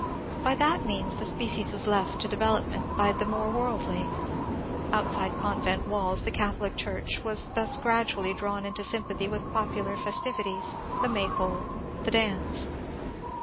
By that means the species was left to development by the more worldly. Outside convent walls the Catholic Church was thus gradually drawn into sympathy with popular festivities, the May pole, the dance.